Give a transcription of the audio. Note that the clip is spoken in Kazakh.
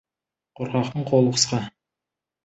Қорқақтың қолы қысқа.